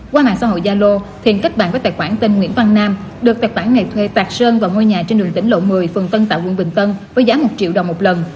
qua mạng xã hội zalo thiện kết bản với tài khoản tên nguyễn văn nam được tài khoản này thuê tạc sơn vào ngôi nhà trên đường tỉnh lộ một mươi phần tân tạo quận bình tân với giá một triệu đồng một lần